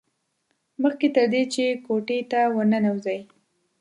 مخکې تر دې چې کوټې ته ور ننوځي.